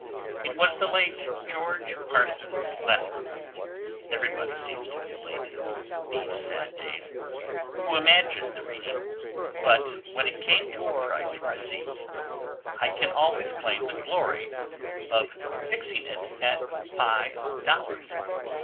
It was the late George Parsons Lathrop (everybody seems to be late in these sad days) who imagined the reading, but when it came to a price for seats I can always claim the glory of fixing it at five dollars.